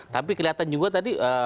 tapi kelihatan juga tadi